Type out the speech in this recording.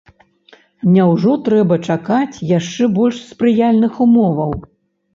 Няўжо трэба чакаць яшчэ больш спрыяльных умоваў?